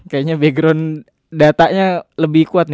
kayaknya background datanya lebih kuat nih